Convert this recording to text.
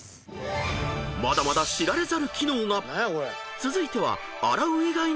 ［まだまだ知られざる機能が］